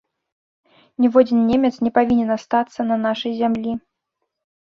Ніводзін немец не павінен астацца на нашай зямлі.